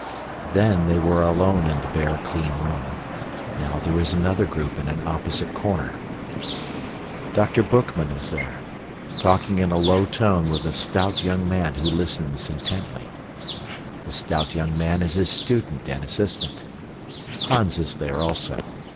Then they were alone in the bare, clean room. Now there is another group in an opposite corner. Dr. Boekman is there, talking in a low tone with a stout young man who listens intently. The stout young man is his student and assistant. Hans is there also.